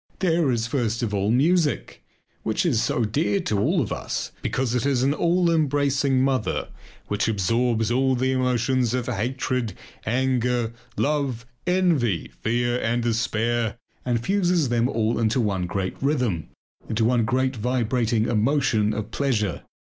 There is first of all music, which is so dear to all of us because it is an all embracing mother which absorbs all the emotions of hatred, anger, love, envy, fear, and despair, and fuses them all into one great rhythm, into one great vibrating emotion of pleasure.